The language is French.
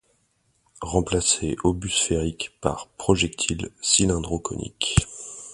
Remplacez obus sphérique par projectile cylindro-conique.